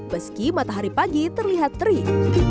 meski matahari pagi terlihat terik